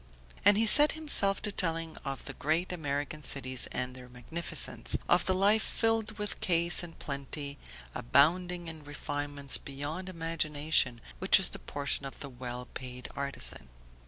And he set himself to telling of the great American cities and their magnificence, of the life filled with ease and plenty, abounding in refinements beyond imagination, which is the portion of the well paid artisan.